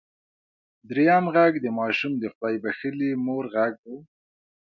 دريم غږ د ماشوم د خدای بښلې مور غږ و.